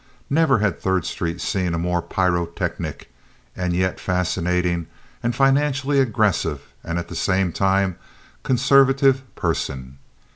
Never had Third Street seen a more pyrotechnic, and yet fascinating and financially aggressive, and at the same time, conservative person.